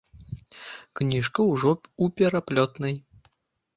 Кніжка ўжо ў пераплётнай.